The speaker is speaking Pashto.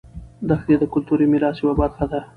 دښتې د کلتوري میراث یوه برخه ده.